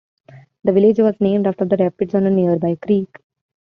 The village was named after the rapids on a nearby creek.